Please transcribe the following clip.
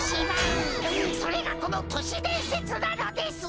それがこの都市伝説なのです！